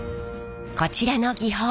こちらの技法。